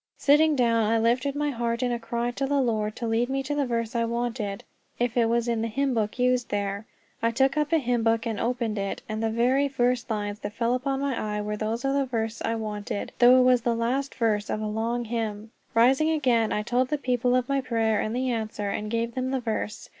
Sitting down, I lifted my heart in a cry to the Lord to lead me to the verse I wanted, if it was in the hymn book used there. I took up a hymn book and opened it, and the very first lines my eyes fell on were those of the verse I wanted, though it was the last verse of a long hymn. Rising again, I told the people of my prayer and the answer, and gave them the verse.